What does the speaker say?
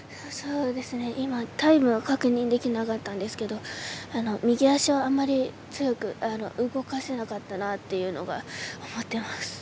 今、タイムは確認できなかったんですけど右足をあまり強く動かせなかったなというのが思っています。